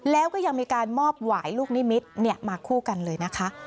แล้วก็ยังมีการมอบหวายลูกนิมิตรมาคู่กันเลยนะคะ